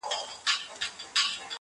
شمعي ته به نه وایې چي مه سوځه-